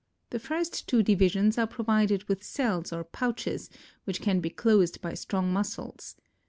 The first two divisions are provided with cells or pouches which can be closed by strong muscles.